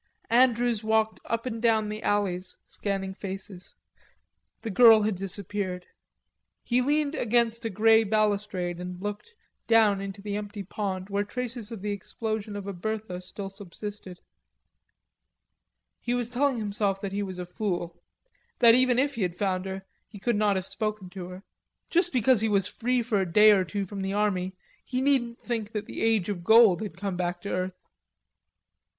Andrews walked up and down the alleys, scanning faces. The girl had disappeared. He leaned against a grey balustrade and looked down into the empty pond where traces of the explosion of a Bertha still subsisted. He was telling himself that he was a fool. That even if he had found her he could not have spoken to her; just because he was free for a day or two from the army he needn't think the age of gold had come back to earth.